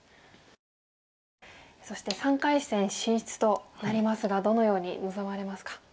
そして３回戦進出となりますがどのように臨まれますか？